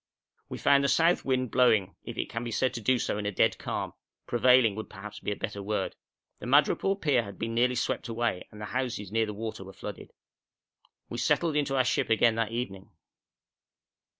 We found the south wind blowing, if it can be said to do so in a dead calm prevailing would perhaps be a better word. The madrepore pier had been nearly swept away, and the houses near the water were flooded. We settled into our ship again that evening.